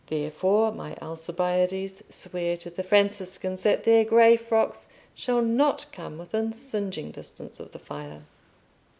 Therefore, my Alcibiades, swear to the Franciscans that their grey frocks shall not come within singeing distance of the fire."